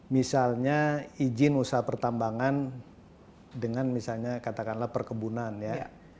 misalnya izin usaha pertambangan dengan misalnya katakanlah perkebunan ya